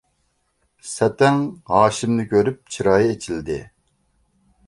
سەتەڭ ھاشىمنى كۆرۈپ چىرايى ئېچىلدى.